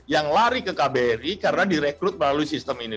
yang lari ke kbri karena direkrut melalui sistem ini